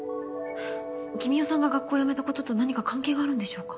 君雄さんが学校を辞めたことと何か関係があるんでしょうか？